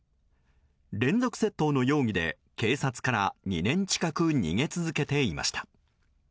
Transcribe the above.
連続窃盗の容疑で警察から２年近く逃げ続けていました。